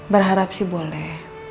berharap sih boleh